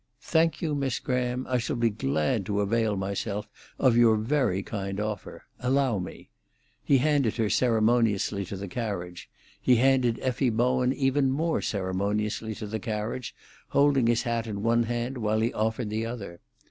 "Thank you, Miss Graham. I shall be glad to avail myself of your very kind offer. Allow me." He handed her ceremoniously to the carriage; he handed Effie Bowen even more ceremoniously to the carriage, holding his hat in one hand while he offered the other.